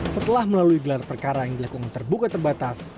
setelah melalui gelar perkara yang dilakukan terbuka terbatas